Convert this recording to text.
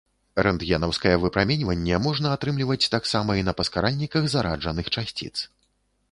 Рэнтгенаўскае выпраменьванне можна атрымліваць таксама і на паскаральніках зараджаных часціц.